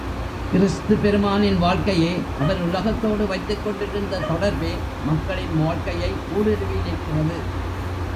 கிறிஸ்து பெருமானின் வாழ்க்கையே அவர் உலகத்தோடு வைத்துக்கொண் டிருந்த தொடர்பே மக்களின் வாழ்க்கையை ஊடுருவி நிற்கிறது.